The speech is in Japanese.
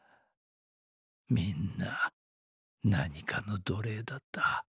みんな何かの奴隷だった。